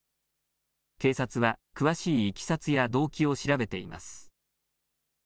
警察は詳しいいきさつや動機を調べています。